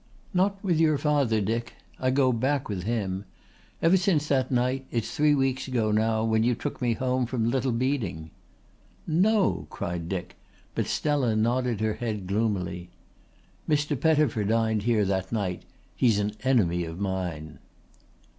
"Not with your father, Dick. I go back with him. Ever since that night it's three weeks ago now when you took me home from Little Beeding." "No," cried Dick, but Stella nodded her head gloomily. "Mr. Pettifer dined here that night. He's an enemy of mine."